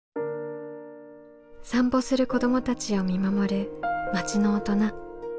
散歩する子どもたちを見守る町の大人。